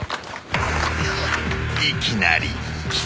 ［いきなり来た］